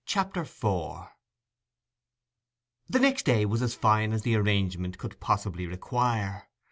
CHAPTER IV The next day was as fine as the arrangement could possibly require.